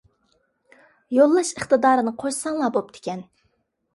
يوللاش ئىقتىدارىنى قوشساڭلار بوپتىكەن.